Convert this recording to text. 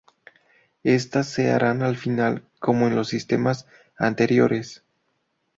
Estas se aran al final, como en los sistemas anteriores.